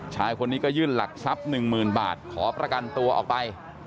ชายคนนี้ก็ยื่นหลักทรัพย์๑๐๐๐บาทขอประกันตัวออกไป